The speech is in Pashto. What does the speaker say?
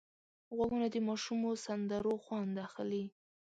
غوږونه د ماشومو سندرو خوند اخلي